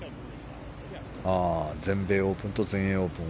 全米オープンと全英オープン